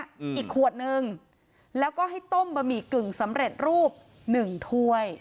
อีกขวดนึงแล้วก็ให้ต้มบะหมี่กึ่งสำเร็จรูปหนึ่งถ้วย